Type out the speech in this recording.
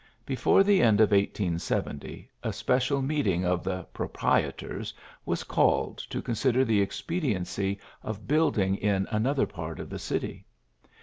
Be fore the end of 1870 a special meeting of the ^^Proprietors " was called to consider the expediency of building in another part of the city.